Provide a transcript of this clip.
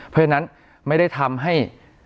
เพราะฉะนั้นไม่ได้ทำให้